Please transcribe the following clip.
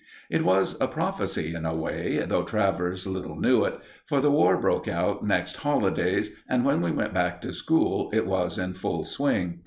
It was a prophecy in a way, though Travers little knew it, for the war broke out next holidays, and when we went back to school, it was in full swing.